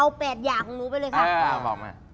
เอาเป็ดหย่าของหนูไปเลยครับ